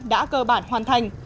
đã cơ bản hoàn thành